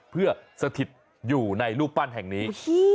เพื่อสถิตอยู่ในรูปปั้นแห่งนี้